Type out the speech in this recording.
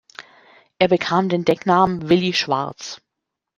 Er bekam den Decknamen „Willy Schwarz“.